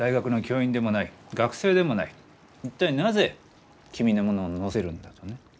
一体なぜ君のものを載せるんだとね。